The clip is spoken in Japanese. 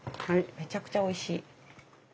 めちゃくちゃおいしい。